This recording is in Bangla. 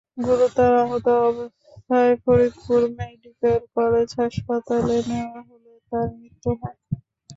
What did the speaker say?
গুরুতর আহত অবস্থায় ফরিদপুর মেডিকেল কলেজ হাসপাতালে নেওয়া হলে তার মৃত্যু হয়।